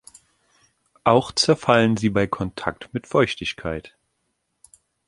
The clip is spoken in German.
Auch zerfallen sie bei Kontakt mit Feuchtigkeit.